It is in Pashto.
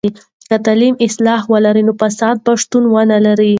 که تعلیم اصلاح ولري، نو فساد به شتون ونلري.